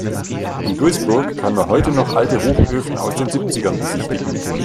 In Duisburg kann man heute noch alte Hochöfen aus den Siebzigern besichtigen.